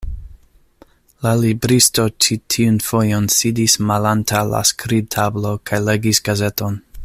La libristo ĉi tiun fojon sidis malantaŭ la skribtablo kaj legis gazeton.